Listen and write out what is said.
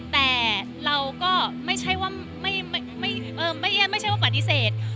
แต่เราก็ไม่ใช่ว่าปฏิเสธ